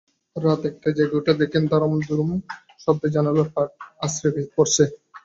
রাত একটায় জেগে উঠে দেখেন, দড়াম দুডুম শব্দে জানালার পাট আছড়ে পড়ছে।